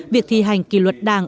việc thi hành kỳ luật đảng